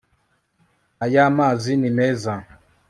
aya mazi ni meza